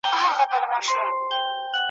سړي سمدستي کلا ته کړ دننه ,